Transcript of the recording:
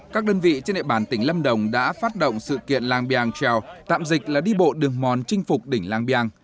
các đơn vị trên địa bàn tỉnh lâm đồng đã phát động sự kiện la biang trail tạm dịch là đi bộ đường mòn chinh phục đỉnh la biang